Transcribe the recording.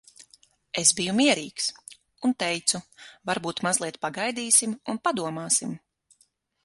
Es biju mierīgs. Un teicu, "Varbūt mazliet pagaidīsim un padomāsim?